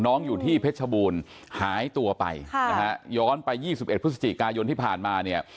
อยู่ที่เพชรบูรณ์หายตัวไปนะฮะย้อนไป๒๑พฤศจิกายนที่ผ่านมาเนี่ย